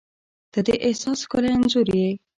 • ته د احساس ښکلی انځور یې.